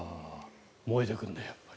燃えてくるんだ。